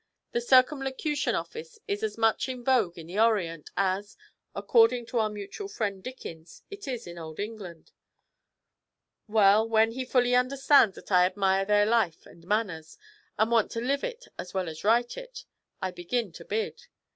The circumlocution office is as much in vogue in the Orient as, according to our mutual friend Dickens, it is in old England. Well, when he fully understands that I admire their life and manners, and want to live it as well as write it, I begin to bid.